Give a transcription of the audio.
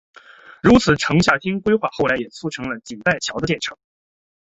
如此的城下町规划后来也促成了锦带桥的建成。